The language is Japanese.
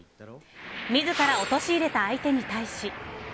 自ら陥れた相手に対し。